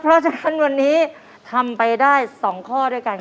เพราะฉะนั้นวันนี้ทำไปได้๒ข้อด้วยกัน